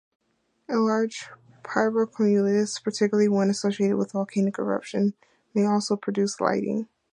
A large pyrocumulus, particularly one associated with a volcanic eruption, may also produce lightning.